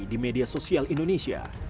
di media sosial indonesia